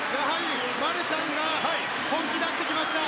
マルシャンが本気を出してきました。